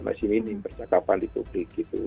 masih ini percakapan di publik